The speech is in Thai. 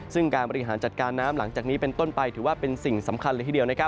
ซึ่งการบริหารจัดการน้ำหลังจากนี้เป็นต้นไปถือว่าเป็นสิ่งสำคัญเลยทีเดียว